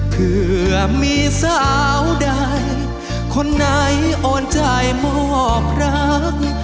เพื่อมีสาวใดคนไหนโอนใจมอบรัก